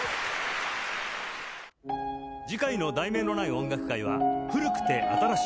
次回の『題名のない音楽会』は「古くて新しい！